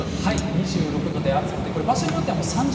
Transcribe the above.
２６度で、これ、暑くて場所によっては。